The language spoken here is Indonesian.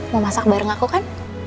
mau masak bareng aku kan